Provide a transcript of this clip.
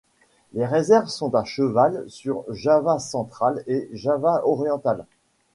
Les réserves sont à cheval sur Java central et Java oriental.